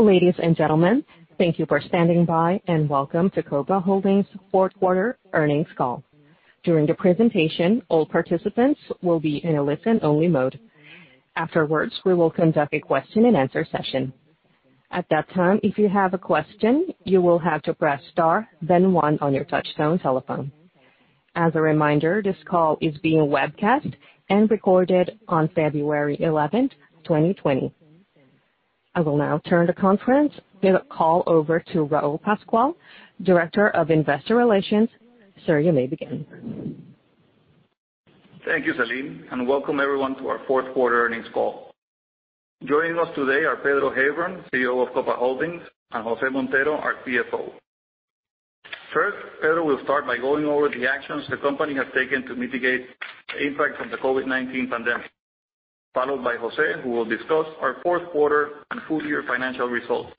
Ladies and gentlemen, thank you for standing by, and welcome to Copa Holdings fourth quarter earnings call. During the presentation, all participants will be in a listen-only mode. Afterwards, we will conduct a question-and-answer session. At that time, if you have a question, you will have to press star then one on your touchtone telephone. As a reminder, this call is being webcast and recorded on February 11th, 2020. I will now turn the conference call over to Raul Pascual, Director of Investor Relations. Sir, you may begin. Thank you, Celine, and welcome everyone to our fourth quarter earnings call. Joining us today are Pedro Heilbron, CEO of Copa Holdings, and Jose Montero, our CFO. First, Pedro will start by going over the actions the company has taken to mitigate the impact from the COVID-19 pandemic, followed by Jose, who will discuss our fourth quarter and full year financial results.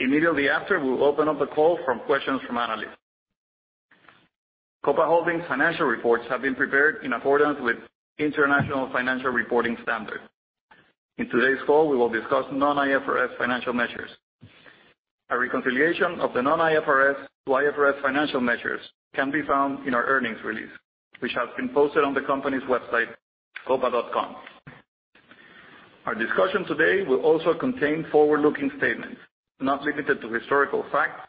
Immediately after, we will open up the call from questions from analysts. Copa Holdings financial reports have been prepared in accordance with International Financial Reporting Standards. In today's call, we will discuss non-IFRS financial measures. A reconciliation of the non-IFRS to IFRS financial measures can be found in our earnings release, which has been posted on the company's website, copa.com. Our discussion today will also contain forward-looking statements, not limited to historical facts,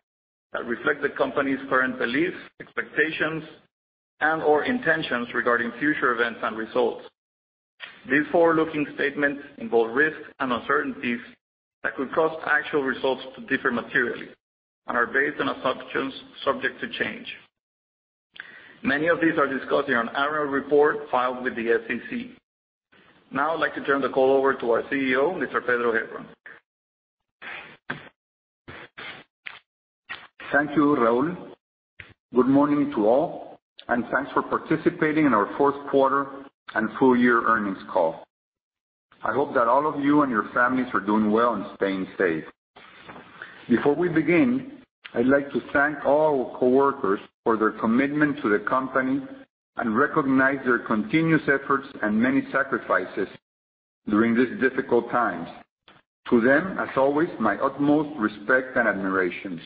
that reflect the company's current beliefs, expectations, and/or intentions regarding future events and results. These forward-looking statements involve risks and uncertainties that could cause actual results to differ materially and are based on assumptions subject to change. Many of these are discussed in our annual report filed with the SEC. Now I'd like to turn the call over to our CEO, Mr. Pedro Heilbron. Thank you, Raul. Good morning to all, and thanks for participating in our fourth quarter and full year earnings call. I hope that all of you and your families are doing well and staying safe. Before we begin, I'd like to thank all our coworkers for their commitment to the company and recognize their continuous efforts and many sacrifices during these difficult times. To them, as always, my utmost respect and admiration.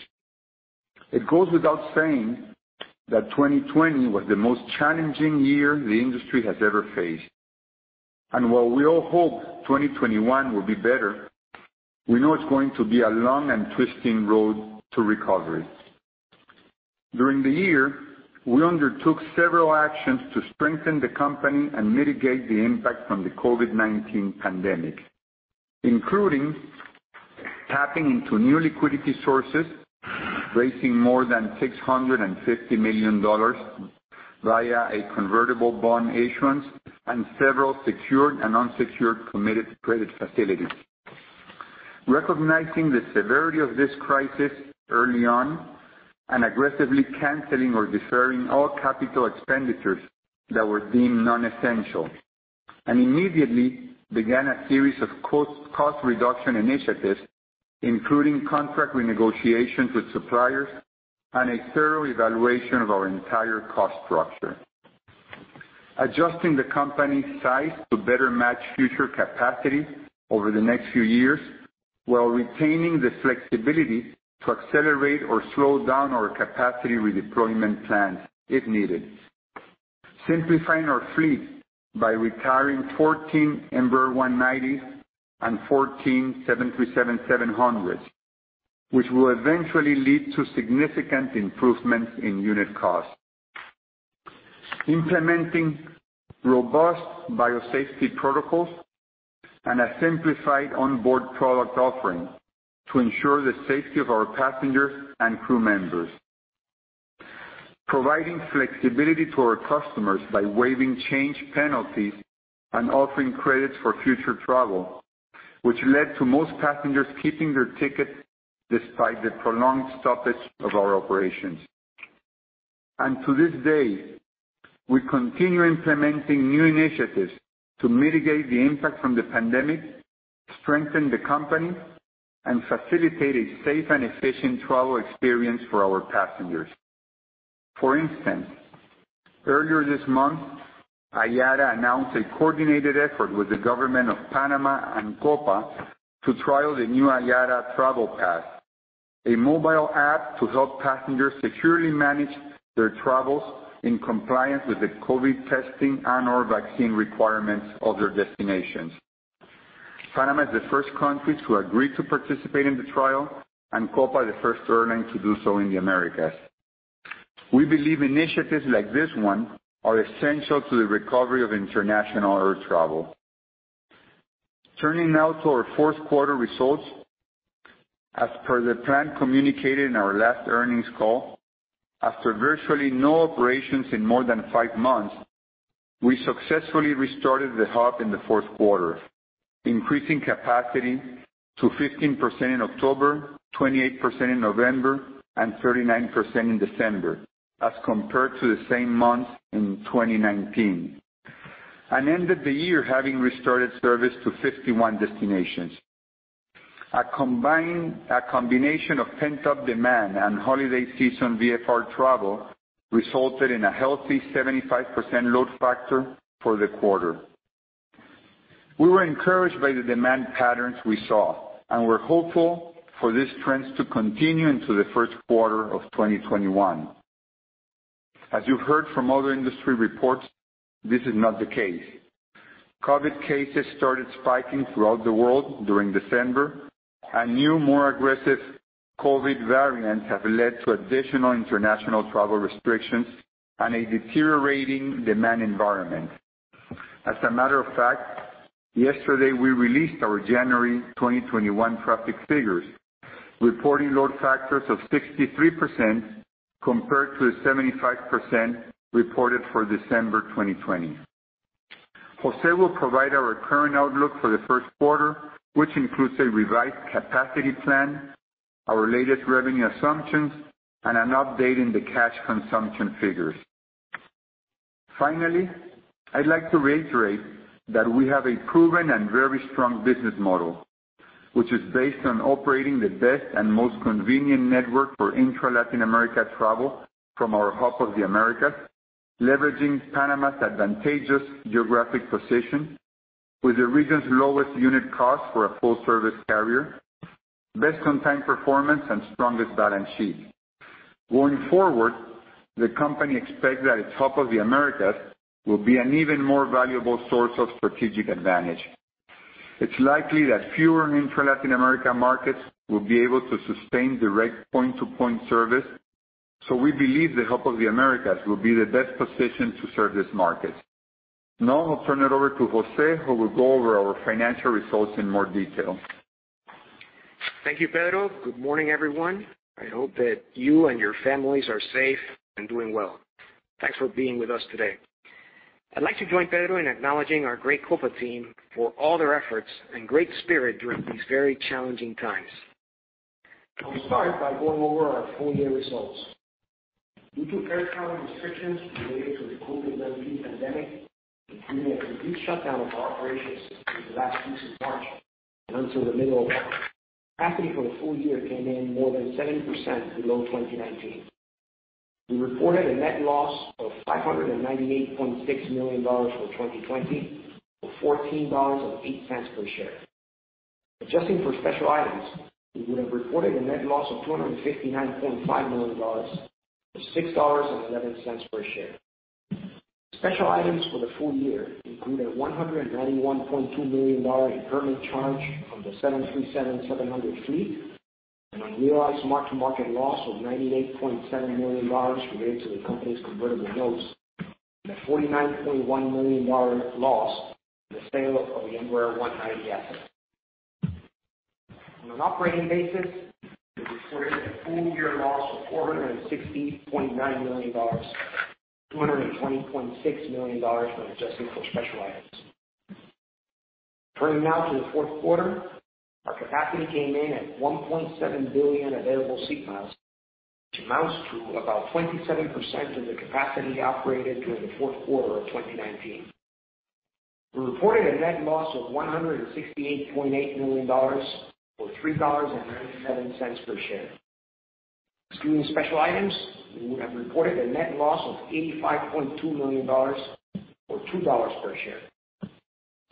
It goes without saying that 2020 was the most challenging year the industry has ever faced. While we all hope 2021 will be better, we know it's going to be a long and twisting road to recovery. During the year, we undertook several actions to strengthen the company and mitigate the impact from the COVID-19 pandemic, including tapping into new liquidity sources, raising more than $650 million via a convertible bond issuance, and several secured and unsecured committed credit facilities. Recognizing the severity of this crisis early on and aggressively canceling or deferring all capital expenditures that were deemed non-essential, and immediately began a series of cost reduction initiatives, including contract renegotiations with suppliers and a thorough evaluation of our entire cost structure. Adjusting the company's size to better match future capacity over the next few years, while retaining the flexibility to accelerate or slow down our capacity redeployment plans if needed. Simplifying our fleet by retiring 14 Embraer 190s and 14 737-700s, which will eventually lead to significant improvements in unit cost. Implementing robust biosafety protocols and a simplified onboard product offering to ensure the safety of our passengers and crew members. Providing flexibility to our customers by waiving change penalties and offering credits for future travel, which led to most passengers keeping their tickets despite the prolonged stoppage of our operations. To this day, we continue implementing new initiatives to mitigate the impact from the pandemic, strengthen the company, and facilitate a safe and efficient travel experience for our passengers. For instance, earlier this month, IATA announced a coordinated effort with the government of Panama and Copa to trial the new IATA Travel Pass, a mobile app to help passengers securely manage their travels in compliance with the COVID-19 testing and/or vaccine requirements of their destinations. Panama is the first country to agree to participate in the trial, and Copa the first airline to do so in the Americas. We believe initiatives like this one are essential to the recovery of international air travel. Turning now to our fourth quarter results. As per the plan communicated in our last earnings call, after virtually no operations in more than five months, we successfully restarted the hub in the fourth quarter, increasing capacity to 15% in October, 28% in November, and 39% in December, as compared to the same months in 2019. Ended the year having restarted service to 51 destinations. A combination of pent-up demand and holiday season VFR travel resulted in a healthy 75% load factor for the quarter. We were encouraged by the demand patterns we saw, and we're hopeful for these trends to continue into the first quarter of 2021. As you heard from other industry reports, this is not the case. COVID cases started spiking throughout the world during December. New, more aggressive COVID variants have led to additional international travel restrictions and a deteriorating demand environment. As a matter of fact, yesterday we released our January 2021 traffic figures, reporting load factors of 63% compared to the 75% reported for December 2020. Jose will provide our current outlook for the first quarter, which includes a revised capacity plan, our latest revenue assumptions, and an update in the cash consumption figures. Finally, I'd like to reiterate that we have a proven and very strong business model, which is based on operating the best and most convenient network for intra-Latin America travel from our Hub of the Americas, leveraging Panama's advantageous geographic position with the region's lowest unit cost for a full-service carrier, best on-time performance, and strongest balance sheet. Going forward, the company expects that its Hub of the Americas will be an even more valuable source of strategic advantage. It's likely that fewer intra-Latin America markets will be able to sustain direct point-to-point service. We believe the Hub of the Americas will be the best position to serve this market. Now I'll turn it over to Jose, who will go over our financial results in more detail. Thank you, Pedro. Good morning, everyone. I hope that you and your families are safe and doing well. Thanks for being with us today. I'd like to join Pedro in acknowledging our great Copa team for all their efforts and great spirit during these very challenging times. I'll start by going over our full-year results. Due to air travel restrictions related to the COVID-19 pandemic, including a complete shutdown of operations for the last weeks of March and until the middle of April, capacity for the full year came in more than 70% below 2019. We reported a net loss of $598.6 million for 2020, or $14.08 per share. Adjusting for special items, we would have reported a net loss of $259.5 million, or $6.11 per share. Special items for the full year include a $191.2 million impairment charge on the 737-700 fleet, an unrealized mark-to-market loss of $98.7 million related to the company's convertible notes, and a $49.1 million loss in the sale of the Embraer 190 asset. On an operating basis, we reported a full-year loss of $460.9 million, $220.6 million when adjusted for special items. Turning now to the fourth quarter. Our capacity came in at 1.7 billion available seat miles, which amounts to about 27% of the capacity operated during the fourth quarter of 2019. We reported a net loss of $168.8 million, or $3.97 per share. Excluding special items, we would have reported a net loss of $85.2 million or $2 per share.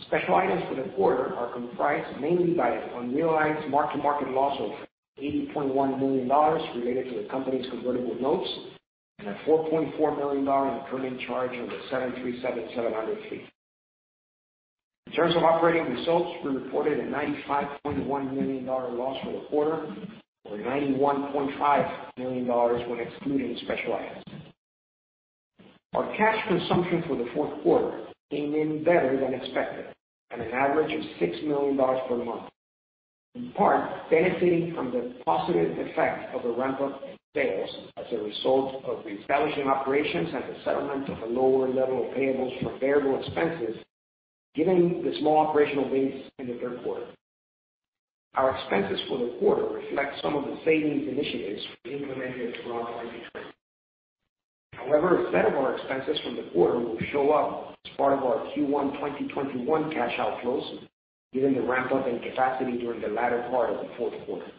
Special items for the quarter are comprised mainly by an unrealized mark-to-market loss of $80.1 million related to the company's convertible notes, and a $4.4 million impairment charge on the 737-700 fleet. In terms of operating results, we reported a $95.1 million loss for the quarter, or $91.5 million when excluding special items. Our cash consumption for the fourth quarter came in better than expected at an average of $6 million per month, in part benefiting from the positive effect of the ramp-up in sales as a result of reestablishing operations and the settlement of a lower level of payables for variable expenses, given the small operational base in the third quarter. Our expenses for the quarter reflect some of the savings initiatives we implemented throughout 2020. However, a set of our expenses from the quarter will show up as part of our Q1 2021 cash outflows given the ramp-up in capacity during the latter part of the fourth quarter.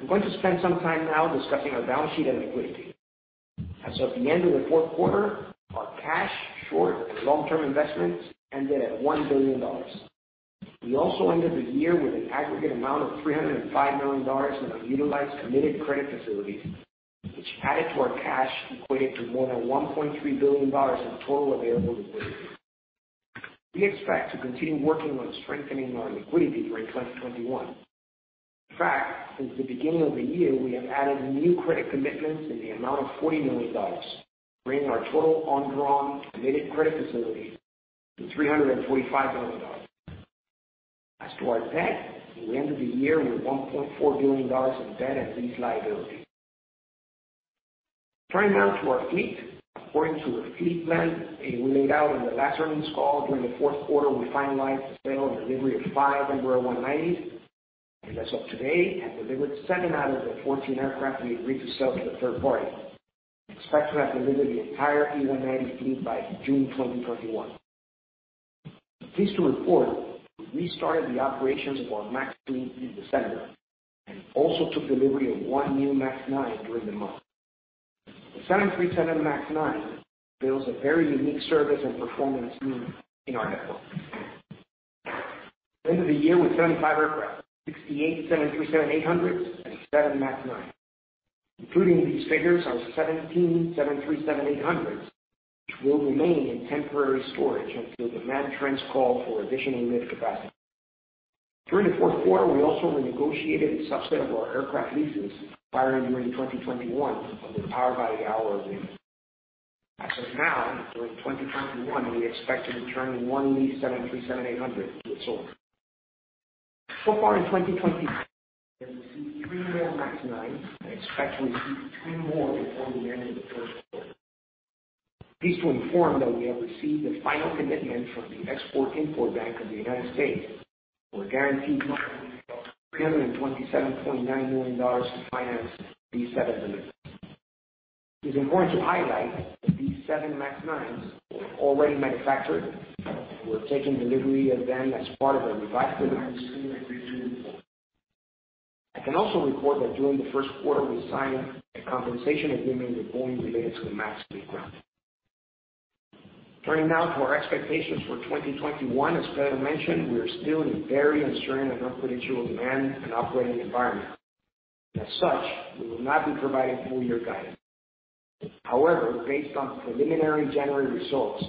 I'm going to spend some time now discussing our balance sheet and liquidity. As of the end of the fourth quarter, our cash, short, and long-term investments ended at $1 billion. We also ended the year with an aggregate amount of $305 million in our utilized committed credit facilities, which added to our cash equated to more than $1.3 billion in total available liquidity. We expect to continue working on strengthening our liquidity during 2021. In fact, since the beginning of the year, we have added new credit commitments in the amount of $40 million, bringing our total undrawn committed credit facility to $345 million. As to our debt, we ended the year with $1.4 billion of debt and lease liability. Turning now to our fleet. According to the fleet plan we laid out in the last earnings call, during the fourth quarter, we finalized the sale and delivery of five Embraer 190s, and as of today have delivered seven out of the 14 aircraft we agreed to sell to the third-party. We expect to have delivered the entire E190 fleet by June 2021. Pleased to report we restarted the operations of our MAX fleet in December, and also took delivery of one new MAX 9 during the month. The 737 MAX 9 fills a very unique service and performance need in our network. We ended the year with 75 aircraft, 68 737-800s and seven MAX 9. Including these figures are 17 737-800s, which will remain in temporary storage until demand trends call for additional lift capacity. During the fourth quarter, we also renegotiated a subset of our aircraft leases expiring during 2021 under power by hour agreements. As of now, during 2021, we expect to return one leased 737-800 to its owner. So far in 2020, we have received three more MAX 9s and expect to receive two more before the end of the first quarter. Pleased to inform that we have received the final commitment from the Export-Import Bank of the United States for a guaranteed loan of $327.9 million to finance these seven deliveries. It is important to highlight that these seven MAX 9s were already manufactured, and we're taking delivery of them as part of a revised agreement. I can also report that during the first quarter, we signed a compensation agreement with Boeing related to the MAX grounding. Turning now to our expectations for 2021, as Pedro mentioned, we are still in a very uncertain and unpredictable demand and operating environment. As such, we will not be providing full-year guidance. However, based on preliminary January results,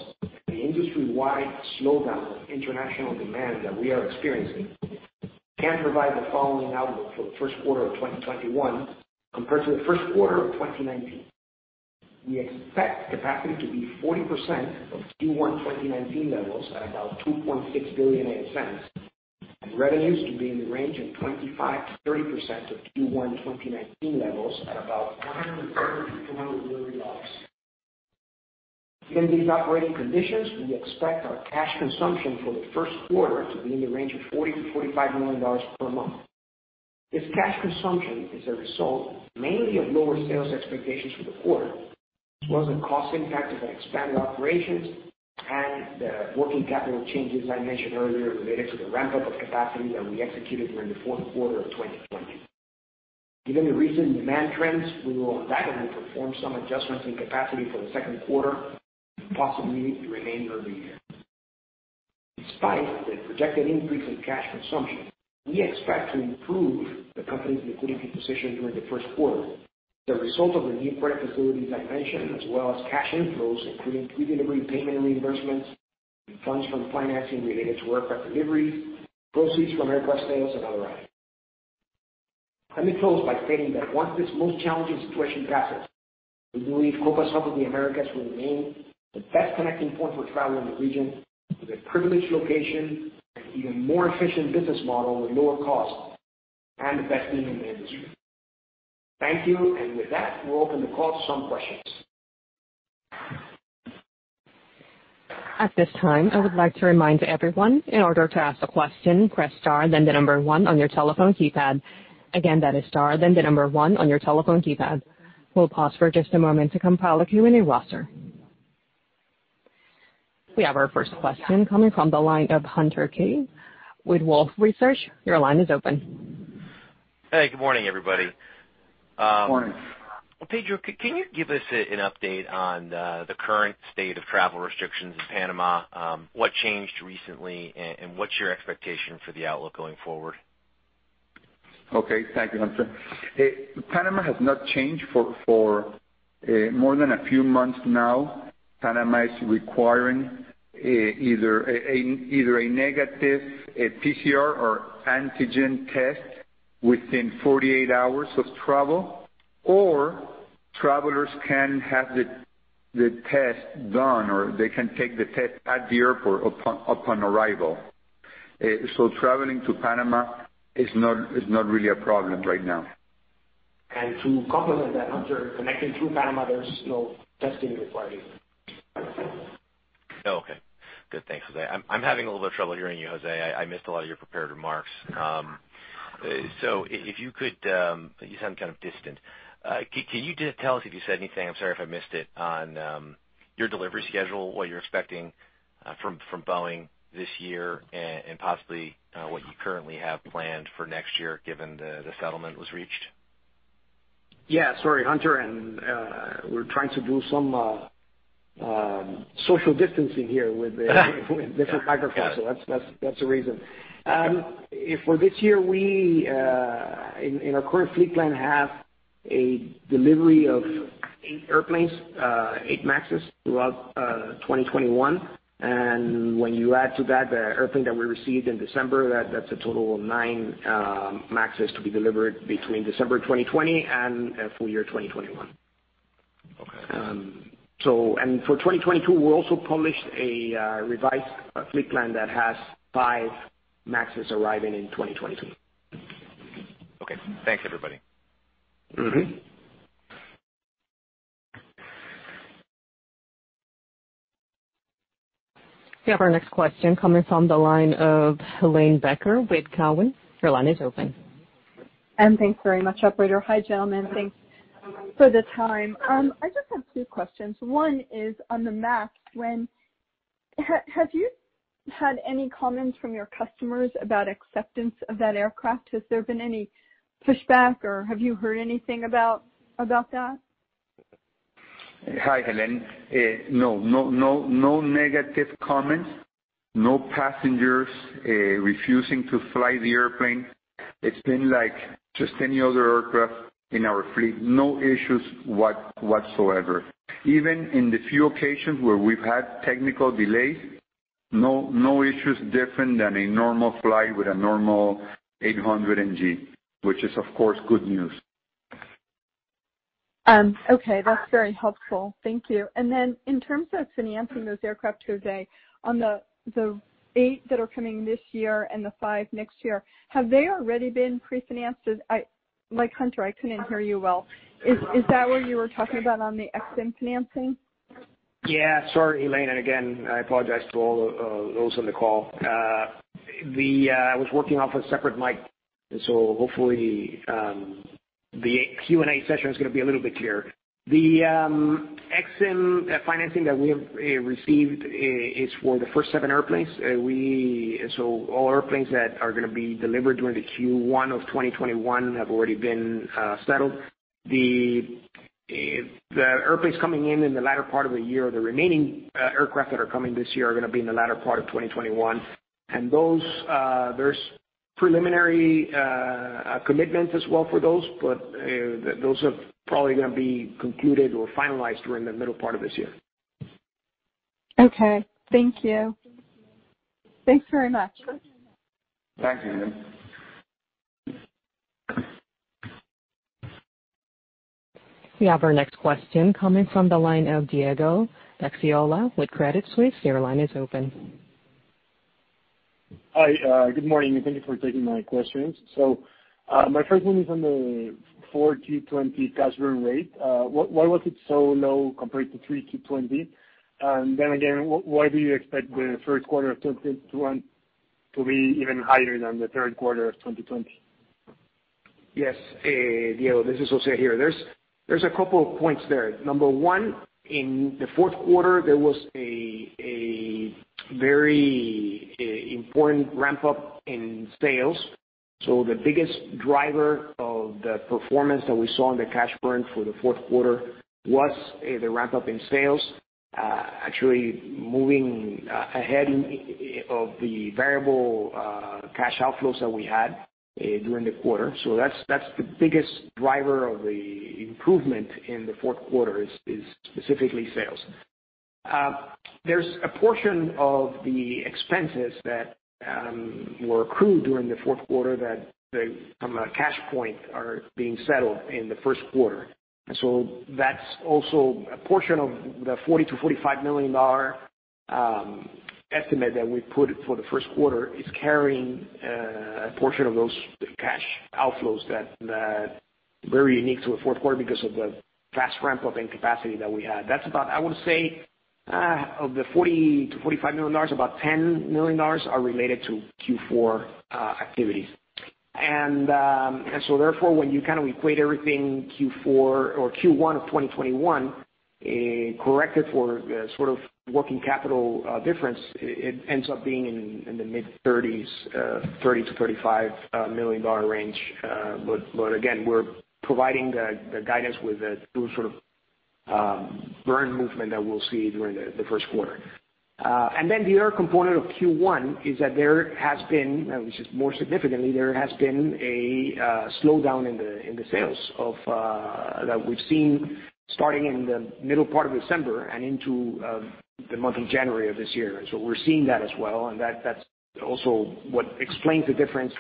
the industry-wide slowdown of international demand that we are experiencing, can provide the following outlook for the first quarter of 2021 compared to the first quarter of 2019. We expect capacity to be 40% of Q1 2019 levels at about 2.6 billion ASMs, and revenues to be in the range of 25%-30% of Q1 2019 levels at about $130 million-$200 million. Given these operating conditions, we expect our cash consumption for the first quarter to be in the range of $40 million-$45 million per month. This cash consumption is a result mainly of lower sales expectations for the quarter, as well as the cost impact of expanded operations and the working capital changes I mentioned earlier related to the ramp-up of capacity that we executed during the fourth quarter of 2020. Given the recent demand trends, we will evaluate and perform some adjustments in capacity for the second quarter and possibly the remainder of the year. Despite the projected increase in cash consumption, we expect to improve the company's liquidity position during the first quarter as a result of the new credit facilities I mentioned, as well as cash inflows, including pre-delivery payment reimbursements and funds from financing related to aircraft delivery, proceeds from aircraft sales, and other items. Let me close by stating that once this most challenging situation passes, we believe Copa's Hub of the Americas will remain the best connecting point for travel in the region, with a privileged location, an even more efficient business model with lower costs, and the best team in the industry. Thank you. With that, we'll open the call to some questions. At this time, I would like to remind everyone, in order to ask a question, press star then the number one on your telephone keypad. That is star then the number one on your telephone keypad. We'll pause for just a moment to compile a queue in your roster. We have our first question coming from the line of Hunter Keay with Wolfe Research. Your line is open. Hey, good morning, everybody. Morning. Pedro, can you give us an update on the current state of travel restrictions in Panama? What changed recently, and what's your expectation for the outlook going forward? Okay, thank you, Hunter. Panama has not changed for more than a few months now. Panama is requiring either a negative PCR or antigen test within 48 hours of travel, or travelers can have the test done, or they can take the test at the airport upon arrival. Traveling to Panama is not really a problem right now. To complement that, Hunter, connecting through Panama, there's no testing required. Oh, okay. Good. Thanks, Jose. I'm having a little bit of trouble hearing you, Jose. I missed a lot of your prepared remarks. You sound kind of distant. Can you just tell us if you said anything, I'm sorry if I missed it, on your delivery schedule, what you're expecting from Boeing this year and possibly what you currently have planned for next year, given the settlement was reached? Yeah, sorry, Hunter. We're trying to do some social distancing here with different microphones, so that's the reason. For this year, we, in our current fleet plan, have a delivery of eight airplanes, eight MAXs, throughout 2021. When you add to that the airplane that we received in December, that's a total of nine MAXs to be delivered between December 2020 and full year 2021. For 2022, we also published a revised fleet plan that has five MAXs arriving in 2022. Okay. Thanks, everybody. We have our next question coming from the line of Helane Becker with Cowen. Your line is open. Thanks very much, operator. Hi, gentlemen. Thanks for the time. I just have two questions. One is on the MAX. Have you had any comments from your customers about acceptance of that aircraft? Has there been any pushback, or have you heard anything about that? Hi, Helane. No negative comments, no passengers refusing to fly the airplane. It's been like just any other aircraft in our fleet. No issues whatsoever. Even in the few occasions where we've had technical delays, no issues different than a normal flight with a normal 800 NG, which is of course, good news. Okay. That's very helpful. Thank you. Then in terms of financing those aircraft, Jose, on the eight that are coming this year and the five next year, have they already been pre-financed? Like, Hunter, I couldn't hear you well. Is that what you were talking about on the EXIM financing? Sorry, Helane, again, I apologize to all those on the call. I was working off a separate mic, hopefully, the Q&A session is going to be a little bit clearer. The EXIM financing that we have received is for the first seven airplanes. All airplanes that are going to be delivered during the Q1 of 2021 have already been settled. The airplanes coming in in the latter part of the year, the remaining aircraft that are coming this year, are going to be in the latter part of 2021. There's preliminary commitments as well for those. Those are probably going to be concluded or finalized during the middle part of this year. Okay. Thank you. Thanks very much. Thanks, Helane. We have our next question coming from the line of Diego Gaxiola with Credit Suisse. Your line is open. Hi. Good morning, thank you for taking my questions. My first one is on the 4Q 2020 cash burn rate. Why was it so low compared to 3Q 2020? Again, why do you expect the first quarter of 2021 to be even higher than the third quarter of 2020? Yes. Diego, this is Jose here. There's a couple of points there. Number one, in the fourth quarter, there was a very important ramp-up in sales. The biggest driver of the performance that we saw in the cash burn for the fourth quarter was the ramp-up in sales. Actually, moving ahead of the variable cash outflows that we had during the quarter. That's the biggest driver of the improvement in the fourth quarter, is specifically sales. There's a portion of the expenses that were accrued during the fourth quarter that, from a cash point, are being settled in the first quarter. That's also a portion of the $40 million-$45 million estimate that we put for the first quarter, is carrying a portion of those cash outflows that are very unique to a fourth quarter because of the fast ramp-up in capacity that we had. That's about, I would say, of the $40 million-$45 million, about $10 million are related to Q4 activities. Therefore, when you kind of equate everything Q4 or Q1 of 2021, corrected for sort of working capital difference, it ends up being in the mid 30s, $30 million-$35 million range. Again, we're providing the guidance with the sort of burn movement that we'll see during the first quarter. The other component of Q1 is that there has been, which is more significantly, there has been a slowdown in the sales that we've seen starting in the middle part of December and into the month of January of this year. We're seeing that as well, and that's also what explains the difference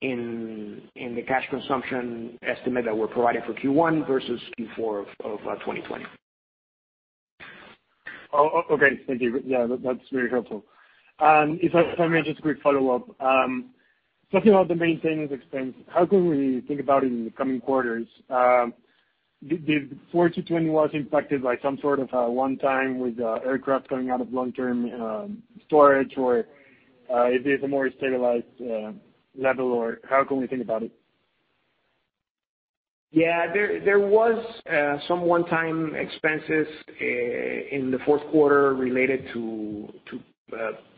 in the cash consumption estimate that we're providing for Q1 versus Q4 of 2020. Okay. Thank you. Yeah, that's very helpful. If I may, just a quick follow-up. Talking about the maintenance expense, how can we think about it in the coming quarters? Did 4Q 2020 was impacted by some sort of one-time with aircraft coming out of long-term storage, or it is a more stabilized level, or how can we think about it? Yeah. There was some one-time expenses in the fourth quarter related to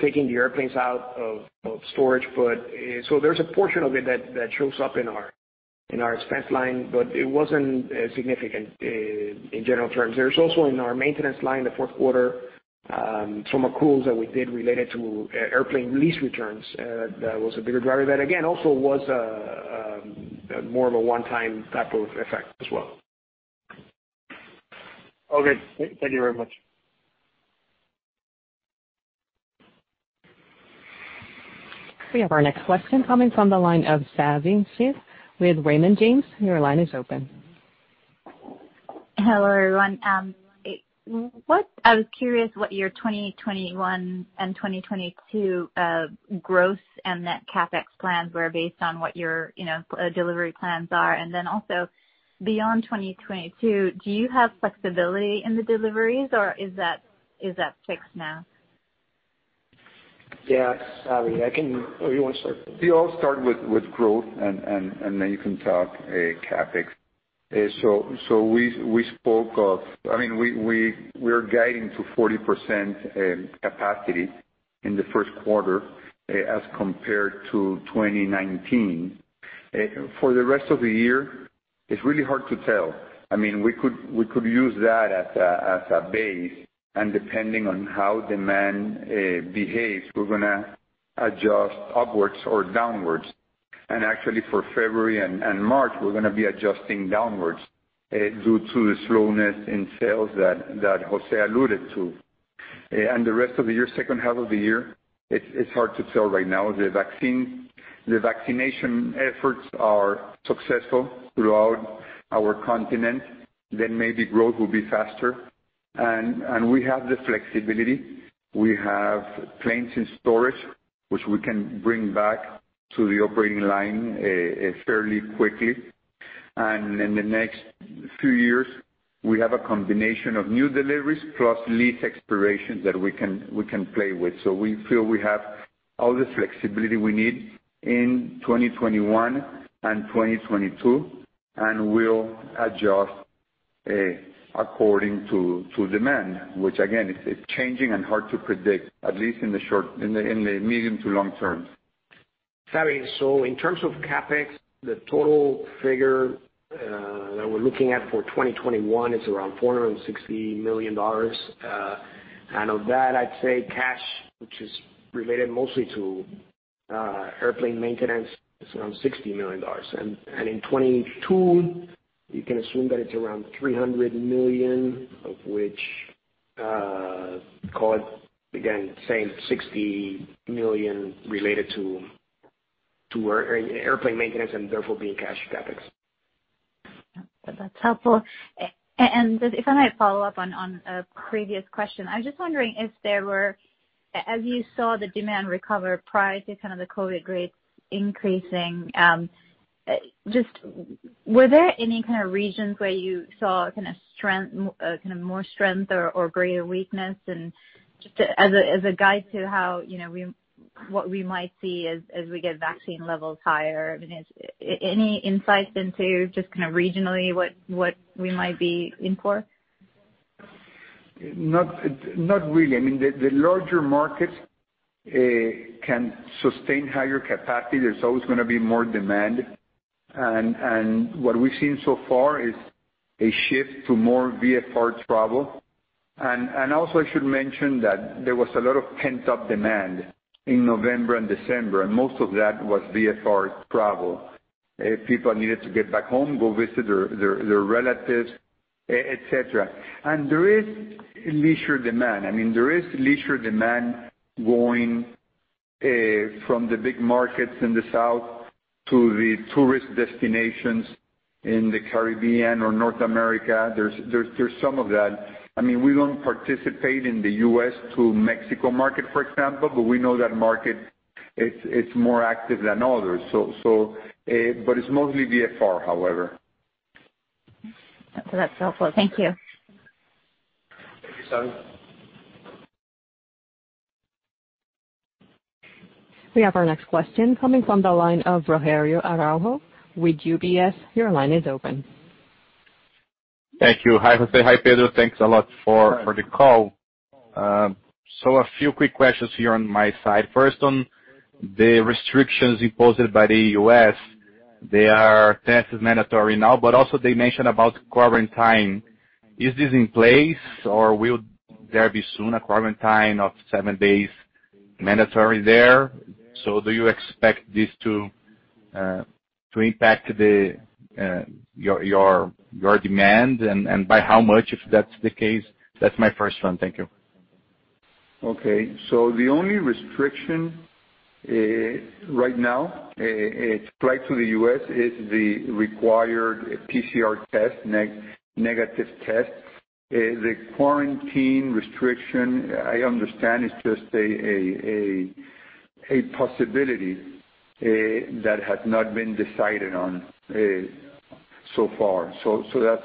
taking the airplanes out of storage. There's a portion of it that shows up in our expense line, but it wasn't significant in general terms. There's also in our maintenance line, the fourth quarter, some accruals that we did related to airplane lease returns. That was a bigger driver. That, again, also was more of a one-time type of effect as well. Okay. Thank you very much. We have our next question coming from the line of Savi Syth with Raymond James. Your line is open. Hello, everyone. I was curious what your 2021 and 2022 gross and net CapEx plans were based on what your delivery plans are. Also beyond 2022, do you have flexibility in the deliveries, or is that fixed now? Yeah. Savi, I can, or you want to start? I'll start with growth, and then you can talk CapEx. We're guiding to 40% capacity in the first quarter as compared to 2019. For the rest of the year, it's really hard to tell. We could use that as a base, and depending on how demand behaves, we're going to adjust upwards or downwards. Actually, for February and March, we're going to be adjusting downwards due to the slowness in sales that Jose alluded to. The rest of the year, second half of the year, it's hard to tell right now. If the vaccination efforts are successful throughout our continent, then maybe growth will be faster. We have the flexibility. We have planes in storage, which we can bring back to the operating line fairly quickly. In the next few years, we have a combination of new deliveries plus lease expirations that we can play with. We feel we have all the flexibility we need in 2021 and 2022, and we'll adjust according to demand, which again, is changing and hard to predict, at least in the medium to long-term. Savi, in terms of CapEx, the total figure that we're looking at for 2021 is around $460 million. Of that, I'd say cash, which is related mostly to airplane maintenance, is around $60 million. In 2022, you can assume that it's around $300 million, of which, call it again, same, $60 million related to airplane maintenance and therefore being cash CapEx. That's helpful. If I might follow up on a previous question, I was just wondering if there were as you saw the demand recover prior to kind of the COVID rates increasing, just were there any kind of regions where you saw more strength or greater weakness? Just as a guide to what we might see as we get vaccine levels higher, any insights into just kind of regionally what we might be in for? Not really. The larger markets can sustain higher capacity. There's always going to be more demand. What we've seen so far is a shift to more VFR travel. Also, I should mention that there was a lot of pent-up demand in November and December, and most of that was VFR travel. People needed to get back home, go visit their relatives, et cetera. There is leisure demand. There is leisure demand going from the big markets in the south to the tourist destinations in the Caribbean or North America. There's some of that. We don't participate in the U.S. to Mexico market, for example, but we know that market. It's more active than others. It's mostly VFR, however. That's helpful. Thank you. Thank you, Savi. We have our next question coming from the line of Rogerio Araujo with UBS. Your line is open. Thank you. Hi, Jose. Hi, Pedro. Thanks a lot for the call. A few quick questions here on my side. First, on the restrictions imposed by the U.S., the test is mandatory now, but also they mentioned about quarantine. Is this in place, or will there be soon a quarantine of seven days mandatory there? Do you expect this to impact your demand, and by how much, if that's the case? That's my first one. Thank you. Okay. The only restriction right now to fly to the U.S. is the required PCR test, negative test. The quarantine restriction, I understand, is just a possibility that has not been decided on so far. That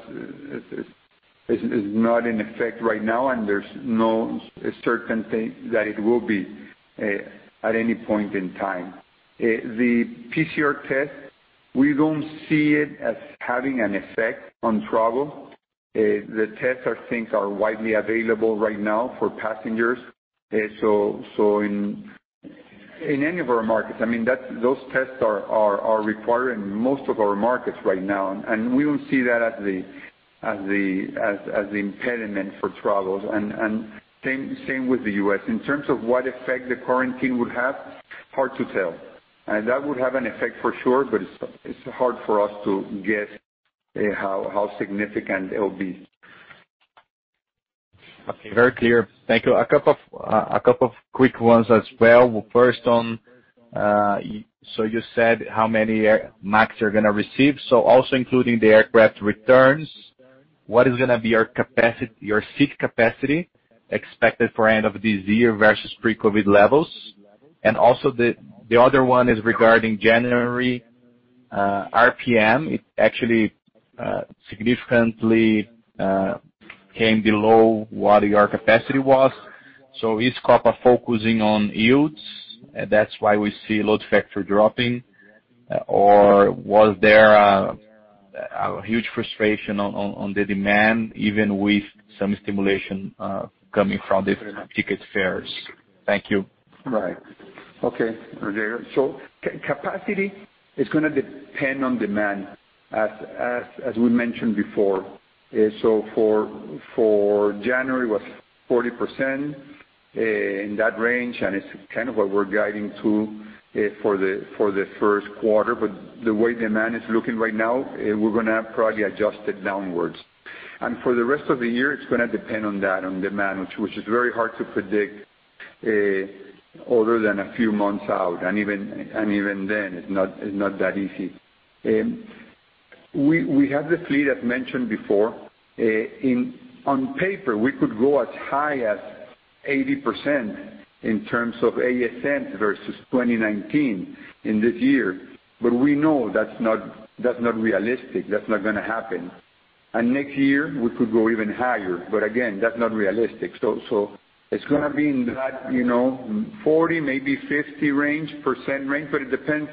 is not in effect right now, and there's no certainty that it will be at any point in time. The PCR test, we don't see it as having an effect on travel. The tests, I think, are widely available right now for passengers. In any of our markets, those tests are required in most of our markets right now, and we don't see that as the impediment for travel. Same with the U.S. In terms of what effect the quarantine would have, hard to tell. That would have an effect for sure, but it's hard for us to guess how significant it will be. Okay. Very clear. Thank you. A couple of quick ones as well. First on, you said how many MAX you're going to receive. Also including the aircraft returns, what is going to be your seat capacity expected for end of this year versus pre-COVID levels? Also, the other one is regarding January RPM, it actually significantly came below what your capacity was. Is Copa focusing on yields, and that's why we see load factor dropping? Or was there a huge frustration on the demand, even with some stimulation coming from different ticket fares? Thank you. Right. Okay, Rogerio. Capacity is going to depend on demand, as we mentioned before. For January, it was 40%, in that range, and it's kind of what we're guiding to for the first quarter. The way demand is looking right now, we're going to probably adjust it downwards. For the rest of the year, it's going to depend on that, on demand, which is very hard to predict other than a few months out, and even then, it's not that easy. We have the fleet, as mentioned before. On paper, we could go as high as 80% in terms of ASMs versus 2019 in this year. We know that's not realistic. That's not going to happen. Next year, we could go even higher. Again, that's not realistic. It's going to be in that 40%, maybe 50% range, but it depends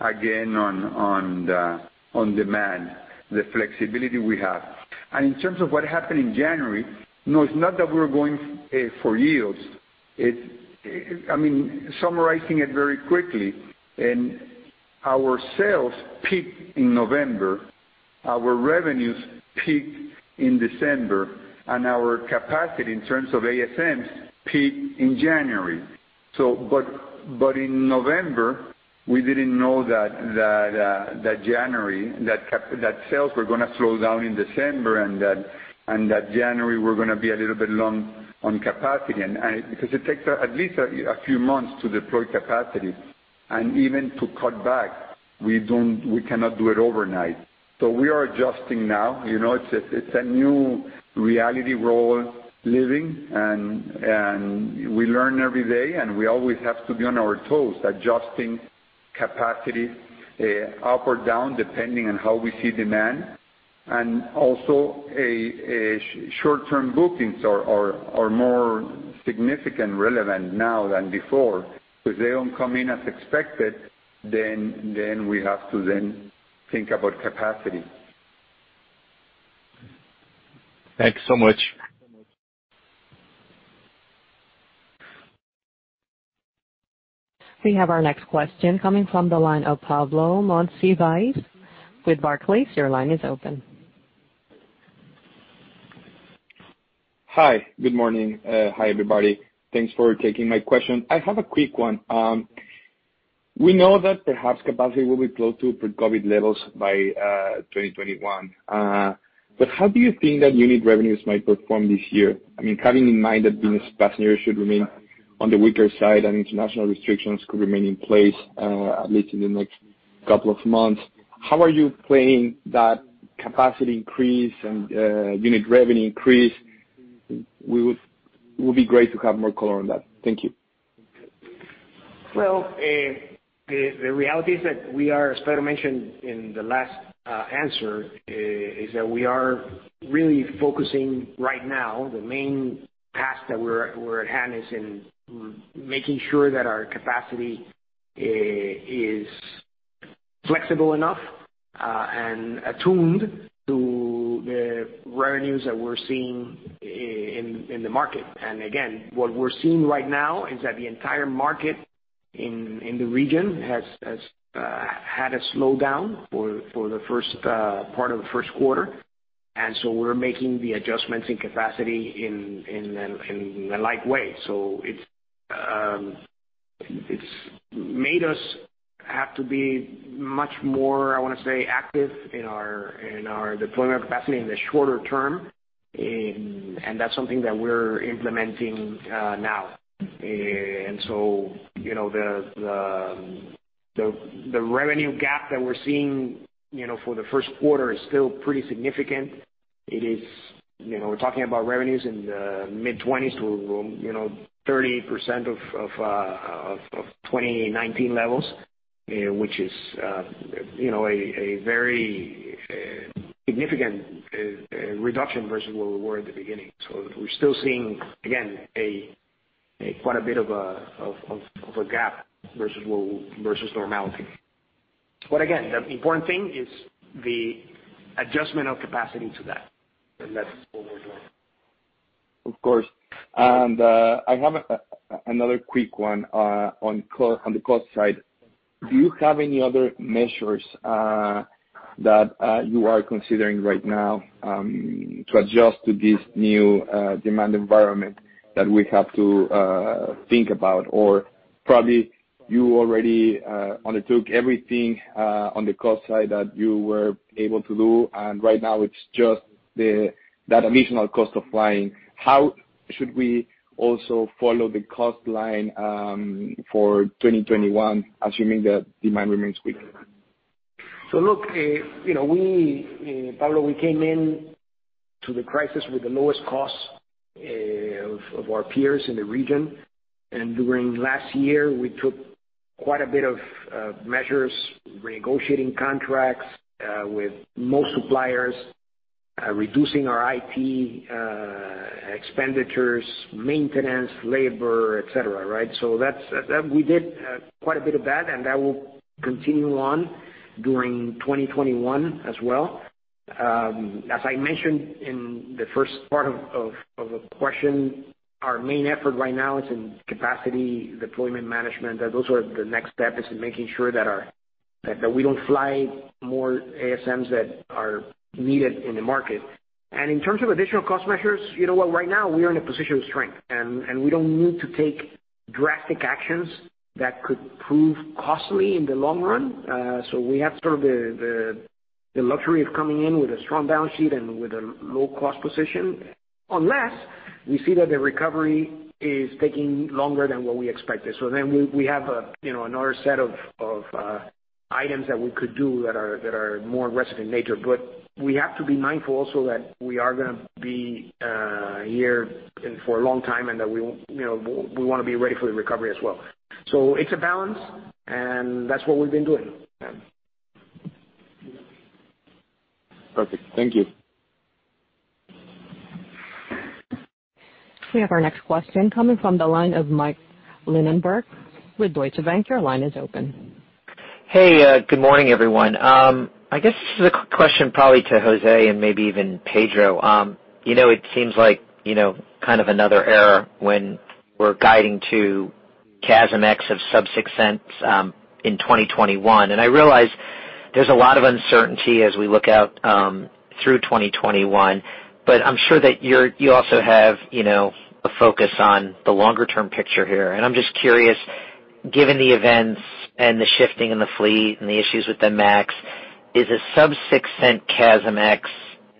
again on demand, the flexibility we have. In terms of what happened in January, no, it's not that we're going for yields. Summarizing it very quickly, our sales peaked in November, our revenues peaked in December, and our capacity, in terms of ASMs, peaked in January. In November, we didn't know that sales were going to slow down in December and that January was going to be a little bit long on capacity. It takes at least a few months to deploy capacity, and even to cut back, we cannot do it overnight. We are adjusting now. It's a new reality we're all living, and we learn every day, and we always have to be on our toes, adjusting capacity up or down, depending on how we see demand. Also, short-term bookings are more significant, relevant now than before, because if they don't come in as expected, then we have to then think about capacity. Thanks so much. We have our next question coming from the line of Pablo Monsivais with Barclays. Your line is open. Hi. Good morning. Hi, everybody. Thanks for taking my question. I have a quick one. We know that perhaps capacity will be close to pre-COVID levels by 2021. How do you think that unit revenues might perform this year? Having in mind that business passenger should remain on the weaker side and international restrictions could remain in place, at least in the next couple of months. How are you playing that capacity increase and unit revenue increase? It would be great to have more color on that. Thank you. Well, the reality is that we are, as Pedro mentioned in the last answer, is that we are really focusing right now, the main task that we're at hand is in making sure that our capacity is flexible enough, and attuned to the revenues that we're seeing in the market. Again, what we're seeing right now is that the entire market in the region has had a slowdown for the first part of the first quarter. We're making the adjustments in capacity in a like way. It's made us have to be much more, I want to say, active in our deployment of capacity in the shorter term, and that's something that we're implementing now. The revenue gap that we're seeing for the first quarter is still pretty significant. We're talking about revenues in the mid-20s to 30% of 2019 levels, which is a very significant reduction versus where we were at the beginning. We're still seeing, again, quite a bit of a gap versus normality. Again, the important thing is the adjustment of capacity to that, and that's what we're doing. Of course. I have another quick one on the cost side. Do you have any other measures that you are considering right now to adjust to this new demand environment that we have to think about? Or probably you already undertook everything on the cost side that you were able to do, and right now it's just that additional cost of flying. How should we also follow the cost line for 2021, assuming that demand remains weak? Look, Pablo, we came in to the crisis with the lowest cost of our peers in the region. During last year, we took quite a bit of measures, renegotiating contracts with most suppliers, reducing our IT expenditures, maintenance, labor, et cetera. We did quite a bit of that, and that will continue on during 2021 as well. As I mentioned in the first part of the question, our main effort right now is in capacity deployment management. Those are the next step, is in making sure that we don't fly more ASMs that are needed in the market. In terms of additional cost measures, you know what, right now, we are in a position of strength, and we don't need to take drastic actions that could prove costly in the long run. We have sort of the luxury of coming in with a strong balance sheet and with a low-cost position. Unless we see that the recovery is taking longer than what we expected. We have another set of items that we could do that are more aggressive in nature. We have to be mindful also that we are going to be here for a long time, and that we want to be ready for the recovery as well. It's a balance, and that's what we've been doing. Perfect. Thank you. We have our next question coming from the line of Mike Linenberg with Deutsche Bank. Your line is open. Hey, good morning, everyone. I guess this is a question probably to Jose and maybe even Pedro. It seems like kind of another era when we're guiding to CASM ex of sub-$0.06 in 2021. I realize there's a lot of uncertainty as we look out through 2021. I'm sure that you also have a focus on the longer-term picture here. I'm just curious, given the events and the shifting in the fleet and the issues with the MAX, is a sub-$0.06 CASM ex,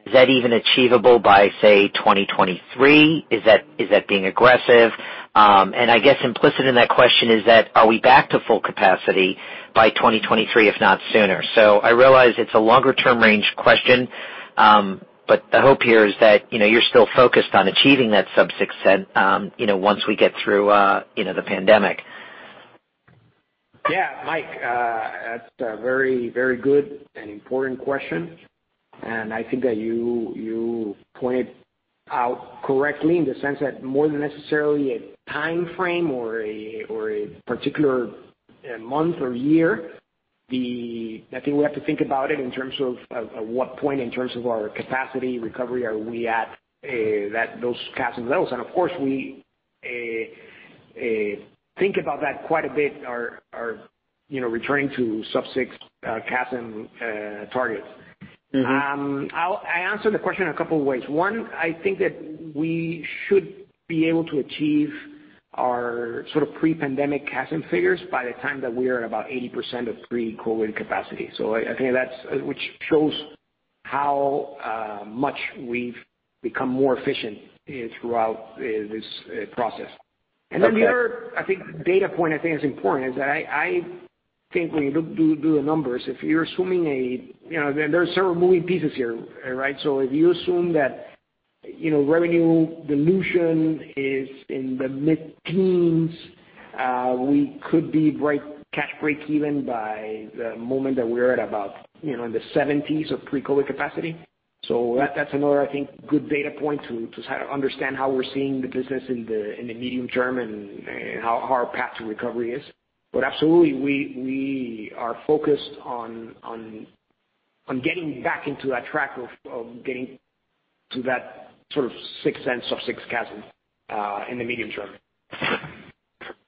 is that even achievable by, say, 2023? Is that being aggressive? I guess implicit in that question is that are we back to full capacity by 2023, if not sooner? I realize it's a longer term range question, but the hope here is that you're still focused on achieving that sub-$0.06, once we get through the pandemic. Yeah, Mike. That's a very good and important question, and I think that you pointed out correctly in the sense that more than necessarily a timeframe or a particular month or year, I think we have to think about it in terms of, at what point in terms of our capacity recovery are we at those CASM levels. Of course, we think about that quite a bit, our returning to sub-$0.06 CASM targets. I answered the question a couple of ways. One, I think that we should be able to achieve our sort of pre-pandemic CASM figures by the time that we are at about 80% of pre-COVID capacity. I think that's which shows how much we've become more efficient throughout this process. The other, I think, data point I think is important is that I think when you do the numbers, there are several moving pieces here. If you assume that revenue dilution is in the mid-teens, we could be cash break-even by the moment that we're at about in the 70s of pre-COVID capacity. That's another, I think, good data point to try to understand how we're seeing the business in the medium-term, and how our path to recovery is. Absolutely, we are focused on getting back into that track of getting to that sort of $0.06, sub-$0.06 CASM in the medium-term.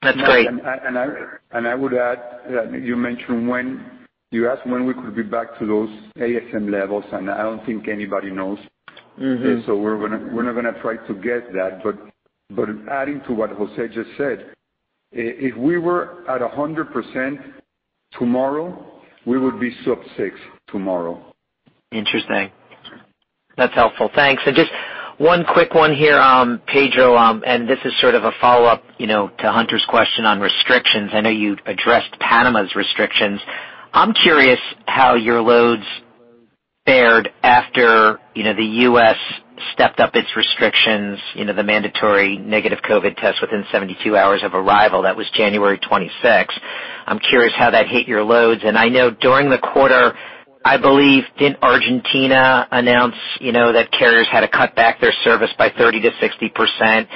That's great. I would add that you asked when we could be back to those ASM levels, and I don't think anybody knows. We're not going to try to guess that. Adding to what Jose just said, if we were at 100% tomorrow, we would be sub-$0.06 tomorrow. Interesting. That's helpful. Thanks. Just one quick one here, Pedro, and this is sort of a follow-up to Hunter's question on restrictions. I know you addressed Panama's restrictions. I'm curious how your loads fared after the U.S. stepped up its restrictions, the mandatory negative COVID test within 72 hours of arrival. That was January 26th. I'm curious how that hit your loads. I know during the quarter, I believe, didn't Argentina announce that carriers had to cut back their service by 30%-60%?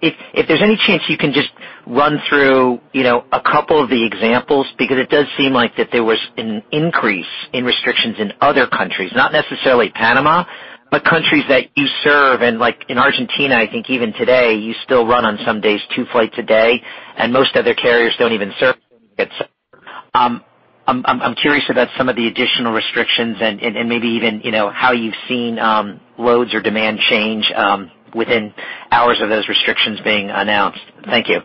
If there's any chance you can just run through a couple of the examples, because it does seem like that there was an increase in restrictions in other countries. Not necessarily Panama, but countries that you serve. Like in Argentina, I think even today, you still run on some days two flights a day, and most other carriers don't even serve. I'm curious about some of the additional restrictions and maybe even how you've seen loads or demand change within hours of those restrictions being announced. Thank you.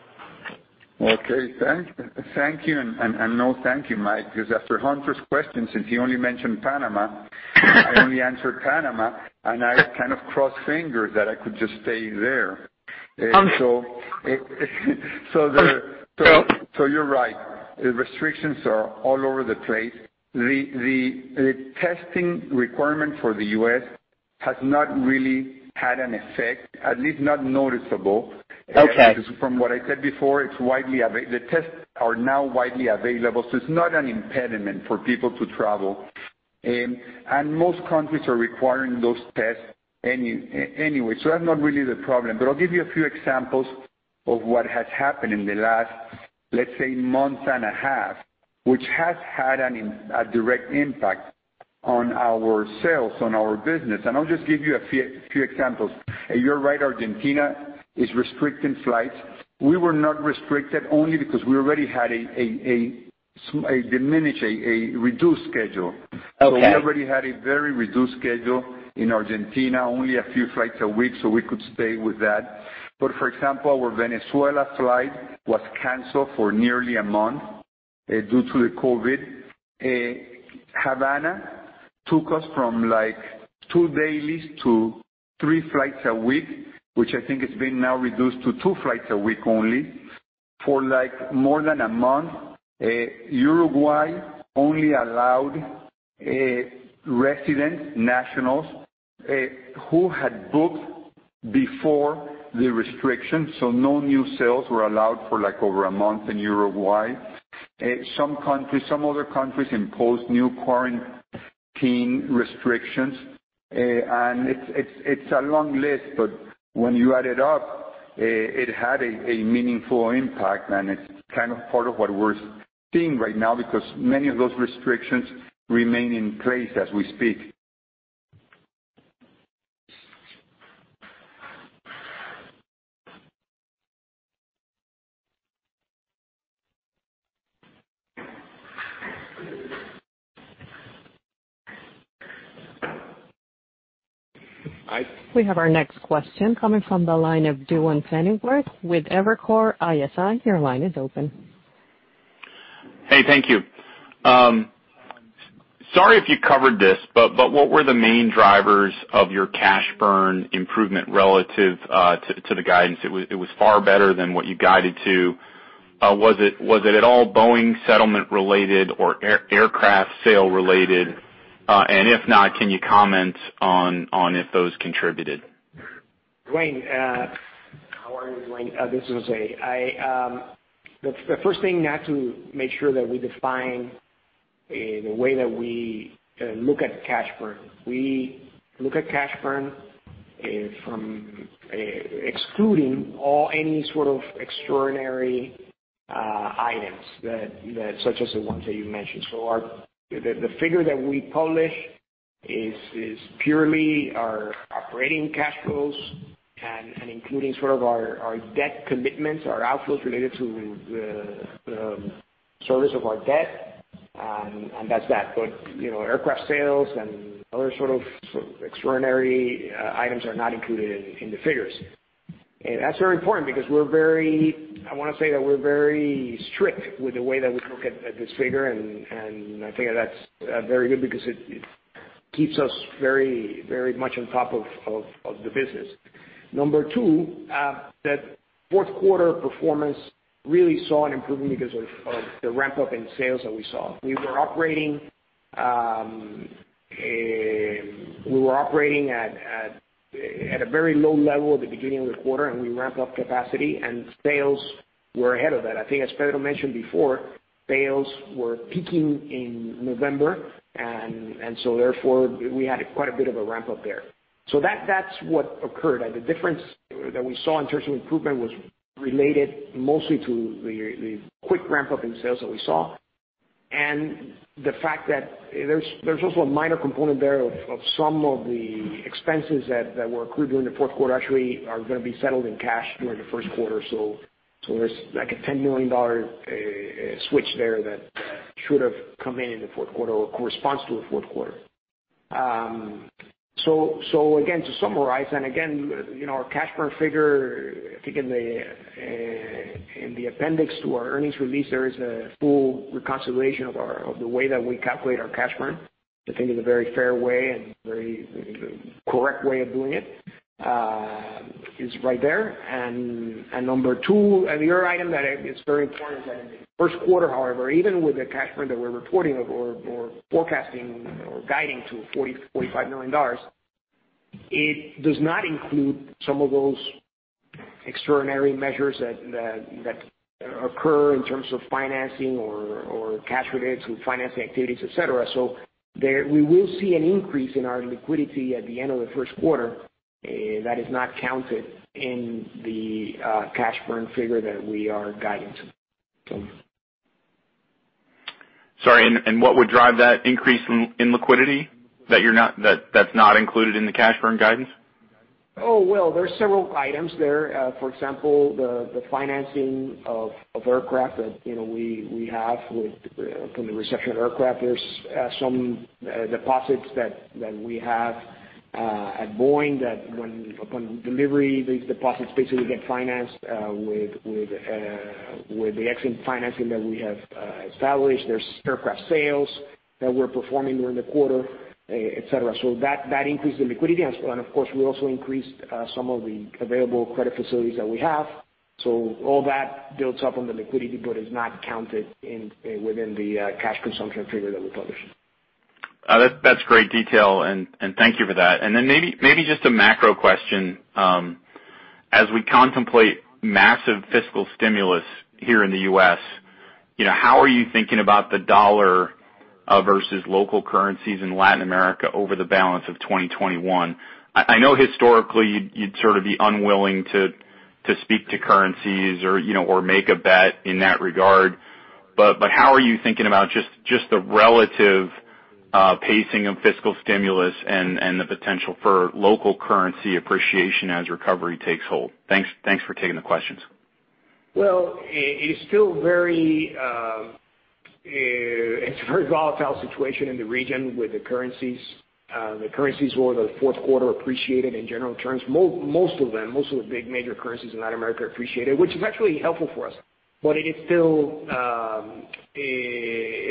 Okay. Thank you. No thank you, Mike, because after Hunter's question, since he only mentioned Panama, I only answered Panama, and I kind of crossed fingers that I could just stay there. You're right. The restrictions are all over the place. The testing requirement for the U.S. has not really had an effect, at least not noticeable. Okay. From what I said before, the tests are now widely available, so it's not an impediment for people to travel. Most countries are requiring those tests anyway. That's not really the problem. I'll give you a few examples of what has happened in the last, let's say, month and a half, which has had a direct impact on our sales, on our business, and I'll just give you a few examples. You're right, Argentina is restricting flights. We were not restricted, only because we already had a reduced schedule. Okay. We already had a very reduced schedule in Argentina, only a few flights a week, so we could stay with that. For example, our Venezuela flight was canceled for nearly a month due to the COVID. Havana took us from two dailies to three flights a week, which I think it's been now reduced to two flights a week only, for more than a month. Uruguay only allowed residents, nationals who had booked before the restrictions. No new sales were allowed for over a month in Uruguay. Some other countries imposed new quarantine restrictions. It's a long list, but when you add it up, it had a meaningful impact, and it's kind of part of what we're seeing right now, because many of those restrictions remain in place as we speak. We have our next question coming from the line of Duane Pfennigwerth with Evercore ISI. Your line is open. Hey, thank you. Sorry if you covered this, but what were the main drivers of your cash burn improvement relative to the guidance? It was far better than what you guided to. Was it at all Boeing settlement related or aircraft sale related? If not, can you comment on if those contributed? Duane. How are you, Duane? This is Jose. The first thing, to make sure that we define the way that we look at cash burn. We look at cash burn excluding any sort of extraordinary items, such as the ones that you mentioned. The figure that we publish is purely our operating cash flows and including sort of our debt commitments, our outflows related to the service of our debt, and that's that. Aircraft sales and other sort of extraordinary items are not included in the figures. That's very important because we're very, I want to say that we're very strict with the way that we look at this figure, and I think that's very good because it keeps us very much on top of the business. Number two, that fourth quarter performance really saw an improvement because of the ramp-up in sales that we saw. We were operating at a very low level at the beginning of the quarter, and we ramped up capacity, and sales were ahead of that. I think as Pedro mentioned before, sales were peaking in November, and so therefore, we had quite a bit of a ramp-up there. That's what occurred, and the difference that we saw in terms of improvement was related mostly to the quick ramp-up in sales that we saw. The fact that there's also a minor component there of some of the expenses that were accrued during the fourth quarter actually are going to be settled in cash during the first quarter. There's like a $10 million switch there that should have come in in the fourth quarter or corresponds to the fourth quarter. Again, to summarize, and again, our cash burn figure, I think in the appendix to our earnings release, there is a full reconciliation of the way that we calculate our cash burn. I think it's a very fair way and very correct way of doing it, is right there. Number two, and your item that is very important is that in the first quarter, however, even with the cash burn that we're reporting of, or forecasting or guiding to $40 million-$45 million, it does not include some of those extraordinary measures that occur in terms of financing or cash relates with financing activities, et cetera. There we will see an increase in our liquidity at the end of the first quarter that is not counted in the cash burn figure that we are guiding to. Sorry, what would drive that increase in liquidity that's not included in the cash burn guidance? Oh, well, there's several items there. For example, the financing of aircraft that we have from the reception aircraft. There are some deposits that we have at Boeing that upon delivery, these deposits basically get financed with the EXIM financing that we have established. There are aircraft sales that we're performing during the quarter, et cetera. That increased the liquidity. Of course, we also increased some of the available credit facilities that we have. All that builds up on the liquidity but is not counted within the cash consumption figure that we publish. That's great detail. Thank you for that. Maybe just a macro question. As we contemplate massive fiscal stimulus here in the U.S., how are you thinking about the dollar versus local currencies in Latin America over the balance of 2021? I know historically you'd sort of be unwilling to speak to currencies or make a bet in that regard. How are you thinking about just the relative pacing of fiscal stimulus and the potential for local currency appreciation as recovery takes hold? Thanks for taking the questions. Well, it's a very volatile situation in the region with the currencies. The currencies over the fourth quarter appreciated in general terms. Most of them, most of the big major currencies in Latin America appreciated, which is actually helpful for us. It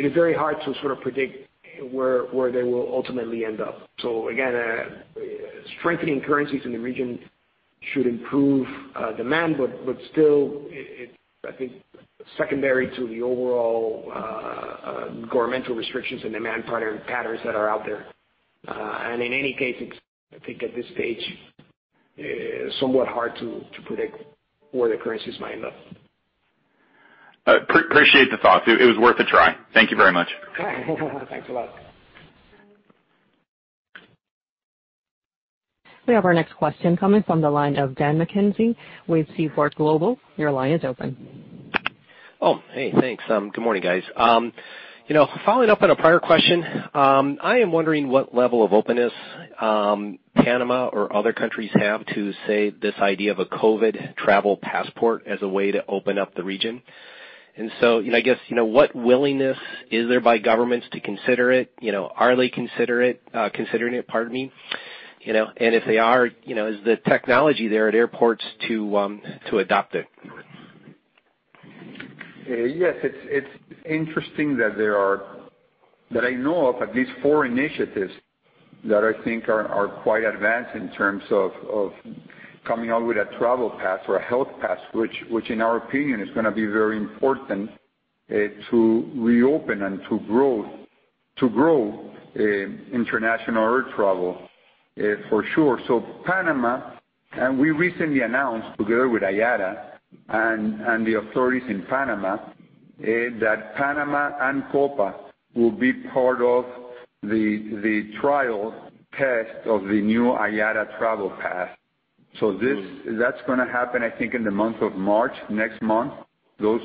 is very hard to sort of predict where they will ultimately end up. Again strengthening currencies in the region should improve demand, but still, it's, I think, secondary to the overall governmental restrictions and demand patterns that are out there. In any case, I think at this stage, somewhat hard to predict where the currencies might end up. Appreciate the thought. It was worth a try. Thank you very much. Thanks a lot. We have our next question coming from the line of Dan McKenzie with Seaport Global. Your line is open. Oh, hey, thanks. Good morning, guys. Following up on a prior question, I am wondering what level of openness Panama or other countries have to, say, this idea of a COVID travel passport as a way to open up the region. I guess, what willingness is there by governments to consider it? Are they considering it? If they are, is the technology there at airports to adopt it? Yes. It's interesting that I know of at least four initiatives that I think are quite advanced in terms of coming out with a travel pass or a health pass, which in our opinion is going to be very important to reopen and to grow international air travel for sure. Panama, and we recently announced together with IATA and the authorities in Panama, that Panama and Copa will be part of the trial test of the new IATA Travel Pass. That's going to happen, I think, in the month of March, next month, those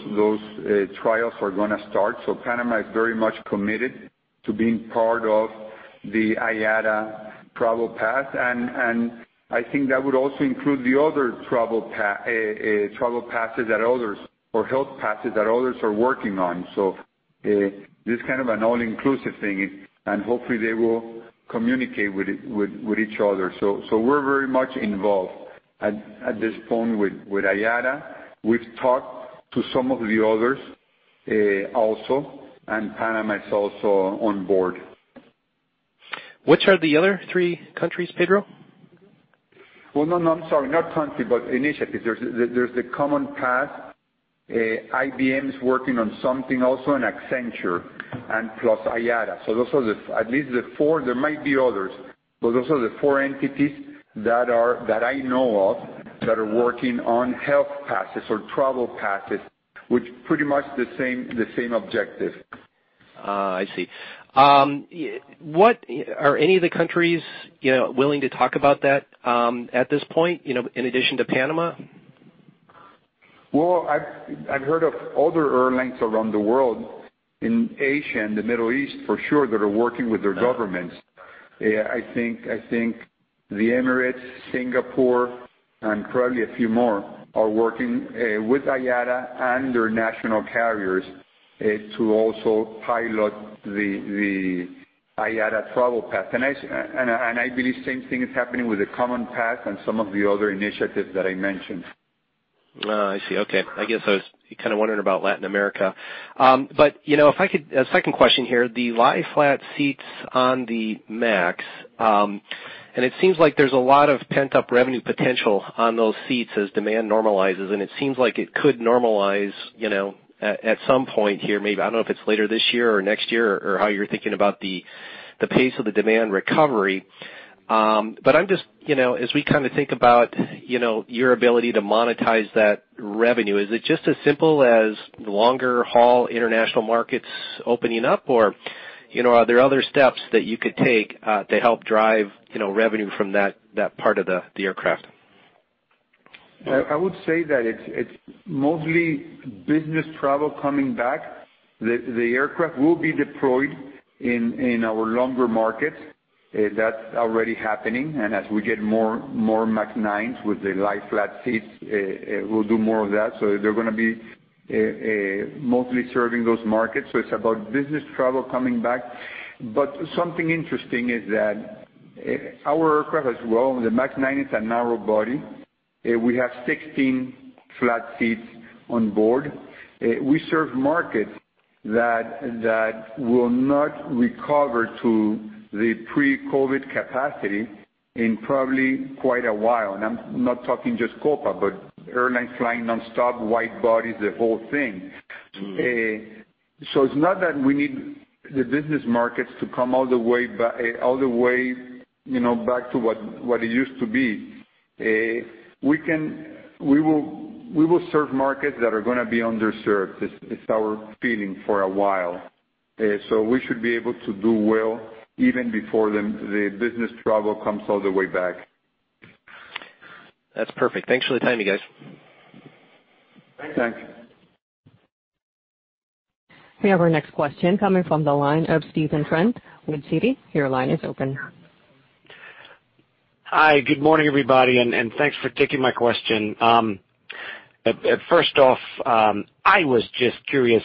trials are going to start. Panama is very much committed to being part of the IATA Travel Pass, and I think that would also include the other travel passes or health passes that others are working on. This is kind of an all-inclusive thing, and hopefully they will communicate with each other. We're very much involved at this point with IATA. We've talked to some of the others also, and Panama is also on board. Which are the other three countries, Pedro? Well, no, I'm sorry, not country, but initiatives. There's the CommonPass, IBM's working on something also, and Accenture, and plus IATA. Those are at least the four. There might be others, but those are the four entities that I know of that are working on health passes or travel passes, with pretty much the same objective. I see. Are any of the countries willing to talk about that at this point, in addition to Panama? Well, I've heard of other airlines around the world in Asia and the Middle East for sure, that are working with their governments. I think the Emirates, Singapore, and probably a few more are working with IATA and their national carriers to also pilot the IATA Travel Pass. I believe the same thing is happening with the CommonPass and some of the other initiatives that I mentioned. I see. I guess I was kind of wondering about Latin America. A second question here, the lie-flat seats on the MAX. It seems like there's a lot of pent-up revenue potential on those seats as demand normalizes, and it seems like it could normalize at some point here, maybe, I don't know if it's later this year or next year or how you're thinking about the pace of the demand recovery. As we kind of think about your ability to monetize that revenue, is it just as simple as longer-haul international markets opening up, or are there other steps that you could take to help drive revenue from that part of the aircraft? I would say that it's mostly business travel coming back. The aircraft will be deployed in our longer markets. That's already happening. As we get more MAX 9s with the lie-flat seats, we'll do more of that. They're going to be mostly serving those markets. It's about business travel coming back. Something interesting is that our aircraft as well, the MAX 9 is a narrow body. We have 16 flat seats on board. We serve markets that will not recover to the pre-COVID capacity in probably quite a while, and I'm not talking just Copa, but airlines flying nonstop, wide-bodies, the whole thing. It's not that we need the business markets to come all the way back to what it used to be. We will serve markets that are going to be underserved. It's our feeling for a while. We should be able to do well even before the business travel comes all the way back. That's perfect. Thanks for the time, you guys. Thanks. We have our next question coming from the line of Stephen Trent with Citi. Your line is open. Hi, good morning, everybody, and thanks for taking my question. First off, I was just curious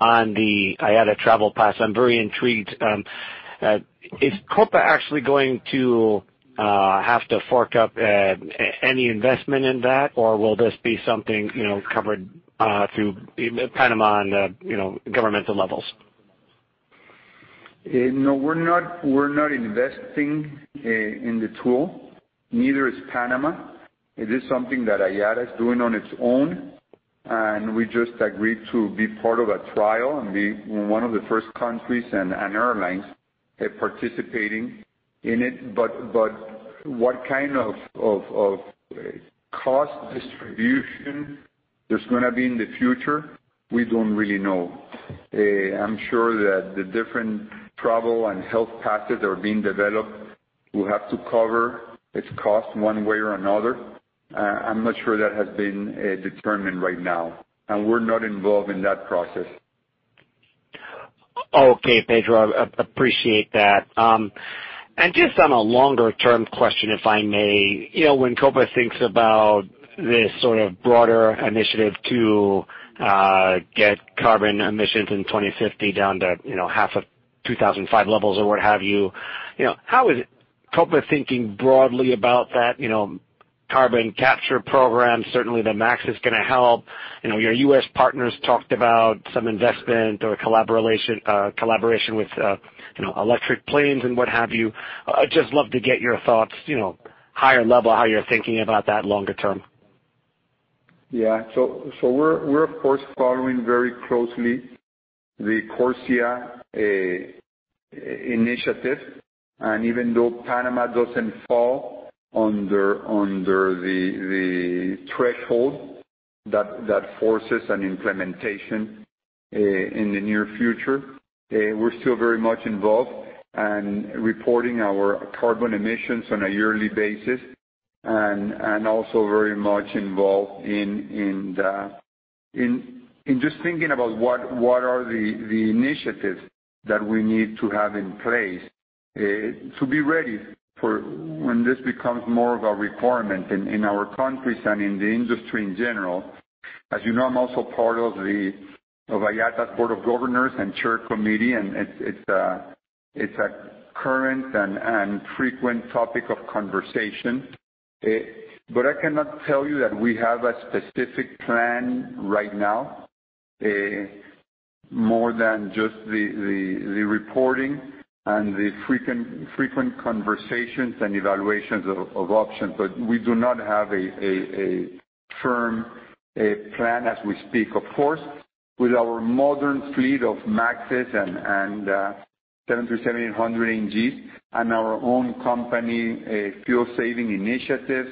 on the IATA Travel Pass. I'm very intrigued. Is Copa actually going to have to fork up any investment in that, or will this be something covered through Panama on governmental levels? No, we're not investing in the tool. Neither is Panama. It is something that IATA is doing on its own, and we just agreed to be part of a trial and be one of the first countries and airlines participating in it. What kind of cost distribution there's going to be in the future, we don't really know. I'm sure that the different travel and health passes that are being developed will have to cover its cost one way or another. I'm not sure that has been determined right now, and we're not involved in that process. Okay, Pedro, appreciate that. Just on a longer-term question, if I may. When Copa thinks about this sort of broader initiative to get carbon emissions in 2050 down to half of 2005 levels or what have you, how is Copa thinking broadly about that carbon capture program? Certainly, the MAX is going to help. Your U.S. partners talked about some investment or collaboration with electric planes and what have you. I'd just love to get your thoughts, higher level, how you're thinking about that longer term. We're of course following very closely the CORSIA initiative, and even though Panama doesn't fall under the threshold that forces an implementation in the near future, we're still very much involved and reporting our carbon emissions on a yearly basis and also very much involved in just thinking about what are the initiatives that we need to have in place to be ready for when this becomes more of a requirement in our countries and in the industry in general. As you know, I'm also part of the IATA Board of Governors and Chair Committee, and it's a current and frequent topic of conversation. I cannot tell you that we have a specific plan right now, more than just the reporting and the frequent conversations and evaluations of options. We do not have a firm plan as we speak. Of course, with our modern fleet of MAXs and 737-800 NGs and our own company fuel-saving initiative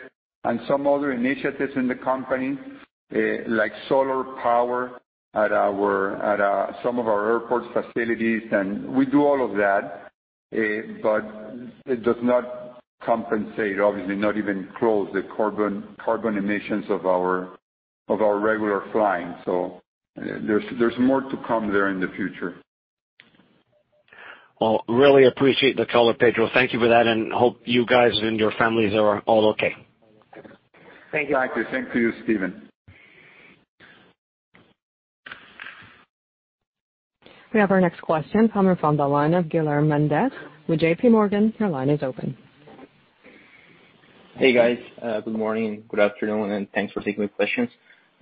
and some other initiatives in the company, like solar power at some of our airport facilities, and we do all of that, but it does not compensate, obviously not even close the carbon emissions of our regular flying. There's more to come there in the future. Really appreciate the color, Pedro. Thank you for that, and hope you guys and your families are all okay. Thank you. Thank you, Stephen. We have our next question coming from the line of Guilherme Mendes with JPMorgan. Your line is open. Hey, guys. Good morning, good afternoon, and thanks for taking the questions.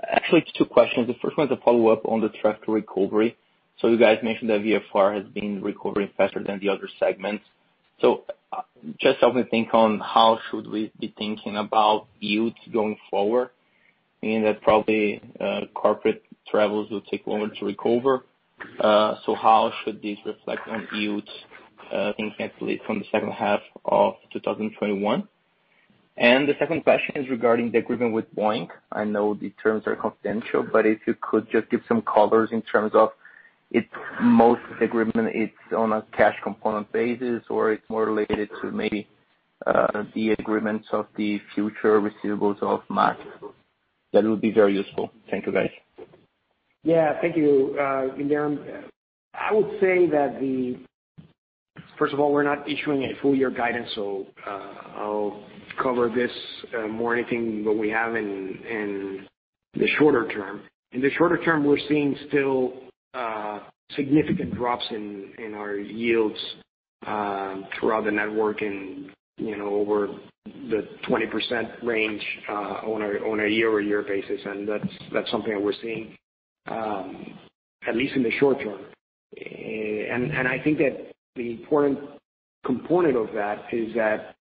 Actually, two questions. The first one is a follow-up on the track to recovery. You guys mentioned that VFR has been recovering faster than the other segments. Just help me think on how should we be thinking about yields going forward? Meaning that probably corporate travels will take longer to recover. How should this reflect on yields, things at least from the second half of 2021? The second question is regarding the agreement with Boeing. I know the terms are confidential, but if you could just give some colors in terms of if most of the agreement is on a cash component basis or it's more related to maybe the agreements of the future receivables of MAX. That would be very useful. Thank you, guys. Yeah. Thank you, Guilherme. I would say that, first of all, we're not issuing a full-year guidance, so I'll cover this more anything but we have in the shorter term. In the shorter term, we're seeing still significant drops in our yields throughout the network and over the 20% range on a year-over-year basis. That's something that we're seeing, at least in the short term. I think that the important component of that is that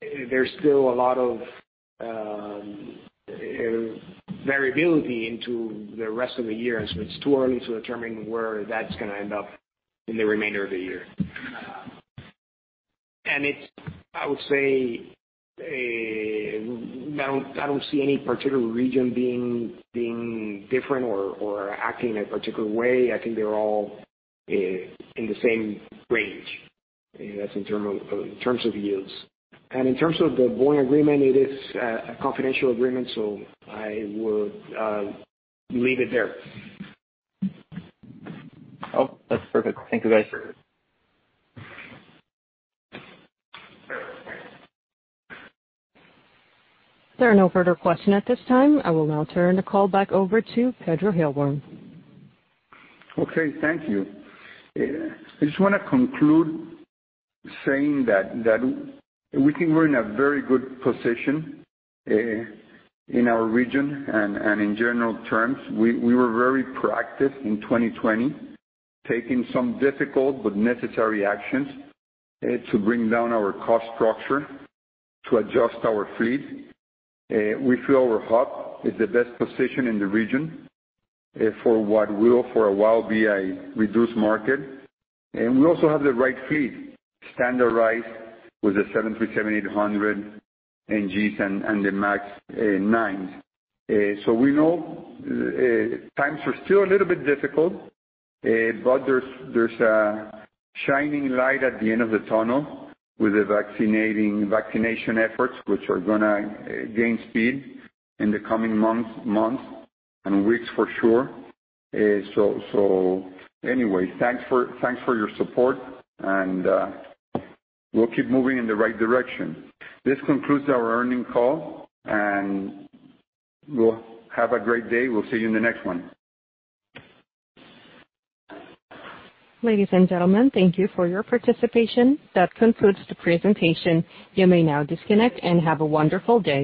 there's still a lot of variability into the rest of the year, and so it's too early to determine where that's going to end up in the remainder of the year. I would say, I don't see any particular region being different or acting in a particular way. I think they're all in the same range. That's in terms of yields. In terms of the Boeing agreement, it is a confidential agreement, so I would leave it there. Oh, that's perfect. Thank you, guys. There are no further questions at this time. I will now turn the call back over to Pedro Heilbron. Okay, thank you. I just want to conclude saying that we think we're in a very good position in our region and in general terms. We were very proactive in 2020, taking some difficult but necessary actions to bring down our cost structure, to adjust our fleet. We feel our hub is the best position in the region for what will for a while be a reduced market. We also have the right fleet, standardized with the 737-800 NGs and the MAX 9s. We know times are still a little bit difficult, but there's a shining light at the end of the tunnel with the vaccination efforts, which are going to gain speed in the coming months and weeks for sure. Anyway, thanks for your support, and we'll keep moving in the right direction. This concludes our earning call, and have a great day. We'll see you in the next one. Ladies and gentlemen, thank you for your participation. That concludes the presentation. You may now disconnect and have a wonderful day.